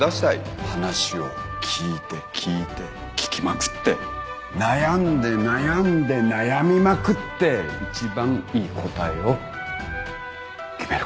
話を聞いて聞いて聞きまくって悩んで悩んで悩みまくって一番いい答えを決めること。